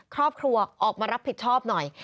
ครอบครัวออกมารับผิดชอบหน่อย